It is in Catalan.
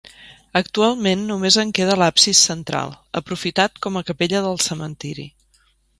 Actualment només en queda l'absis central, aprofitat com a capella del cementiri.